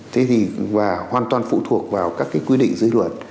thế thì hoàn toàn phụ thuộc vào các quy định dưới luật